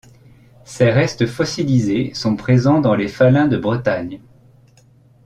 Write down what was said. Ces restes fossilisés sont présents dans les faluns de Bretagne.